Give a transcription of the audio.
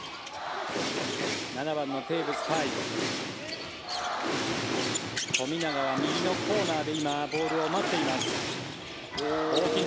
７番のテーブス海富永は右のコーナーで今、ボールを待っています。